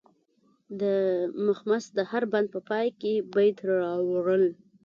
د مخمس د هر بند په پای کې بیت راوړل.